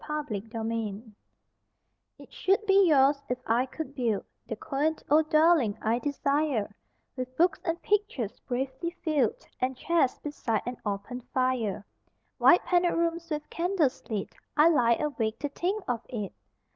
OUR HOUSE It should be yours, if I could build The quaint old dwelling I desire, With books and pictures bravely filled And chairs beside an open fire, White panelled rooms with candles lit I lie awake to think of it!